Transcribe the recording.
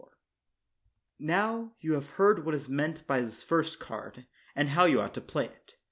Now, you have heard what is meant by this first card, and how you ought to play it.